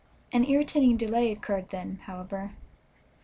An irritating delay occurred then, however.